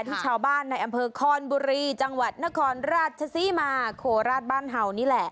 ที่ชาวบ้านในอำเภอคอนบุรีจังหวัดนครราชศรีมาโคราชบ้านเห่านี่แหละ